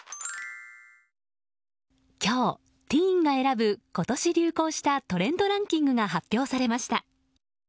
今日、ティーンが選ぶ今年流行したトレンドランキングが発表されました。